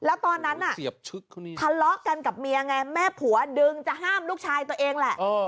แล้วตอนนั้นน่ะเสียบทะเลาะกันกับเมียไงแม่ผัวดึงจะห้ามลูกชายตัวเองแหละ